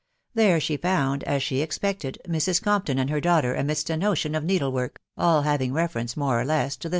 There she found, as she expected, Mrs. Compton and her daughter amidst an ocean of needle* work> all having reference, more or: less, to the.'